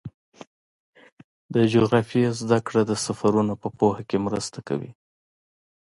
د جغرافیې زدهکړه د سفرونو په پوهه کې مرسته کوي.